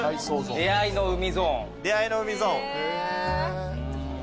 出会いの海ゾーン。